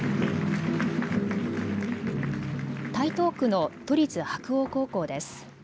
台東区の都立白鴎高校です。